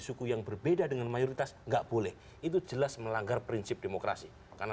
suku yang berbeda dengan mayoritas enggak boleh itu jelas melanggar prinsip demokrasi karena